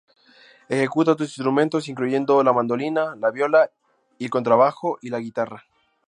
Ejecuta otros instrumentos, incluyendo la mandolina, la viola, el contrabajo y la guitarra.